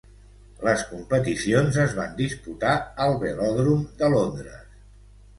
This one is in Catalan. Les competicions es van disputar al Velòdrom de Londres.